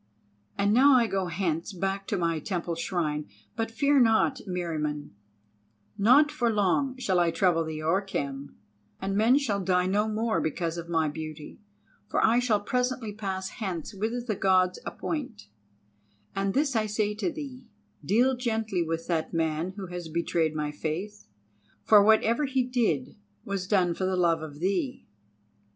And now I go hence back to my temple shrine; but fear not, Meriamun, not for long shall I trouble thee or Khem, and men shall die no more because of my beauty, for I shall presently pass hence whither the Gods appoint; and this I say to thee—deal gently with that man who has betrayed my faith, for whatever he did was done for the love of thee.